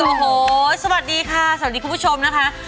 โอ้โหสวัสดีค่ะสวัสดีคุณผู้ชมนะคะ